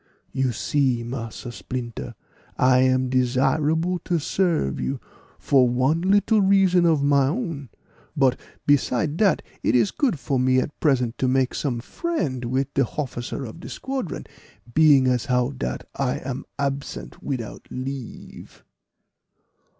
"You see, Massa Plinter, I am desirable to serve you, for one little reason of my own; but, beside dat, it is good for me at present to make some friend wid de hofficer of de squadron, being as how dat I am absent widout leave."